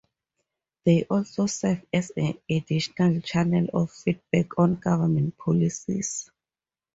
They also serve as an additional channel of feedback on government policies.